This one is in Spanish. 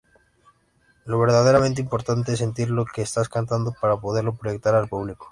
Lo verdaderamente importante, es sentir lo que estás cantando, para poderlo proyectar al público".